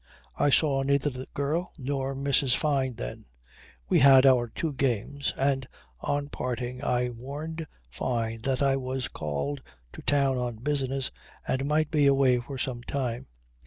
I saw neither the girl nor Mrs. Fyne then. We had our two games and on parting I warned Fyne that I was called to town on business and might be away for some time.